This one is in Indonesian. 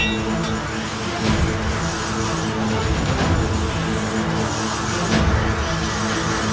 kau akan menderita